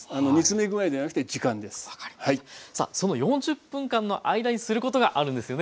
さあその４０分間の間にすることがあるんですよね？